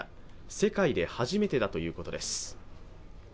世界で初めてだということです。